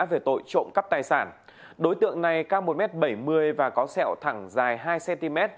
về tội trộm cắp tài sản đối tượng này cao một m bảy mươi và có sẹo thẳng dài hai cm